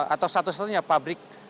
atau satu satunya pabrik